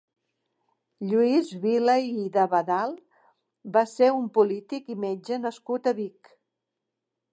Lluís Vila i d'Abadal va ser un polític i metge nascut a Vic.